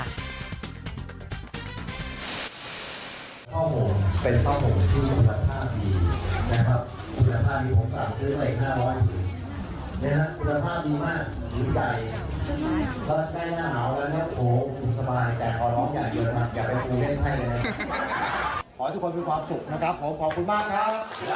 ขอให้ทุกคนมีความสุขขอบคุณมากครับ